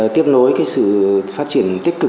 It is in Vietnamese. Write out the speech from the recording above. tiếp nối sự phát triển tích cực